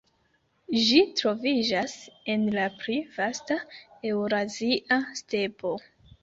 Ĝi troviĝas en la pli vasta Eŭrazia Stepo.